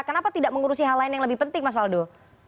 kenapa tidak mengurusi hal lain yang lebih penting mas waldo